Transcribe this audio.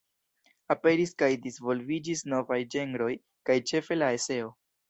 Aperis kaj disvolviĝis novaj ĝenroj kaj ĉefe la eseo.